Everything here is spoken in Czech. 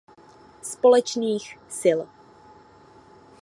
Společných sil.